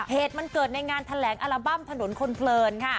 เหตุมันเกิดในงานแถลงอัลบั้มถนนคนเพลินค่ะ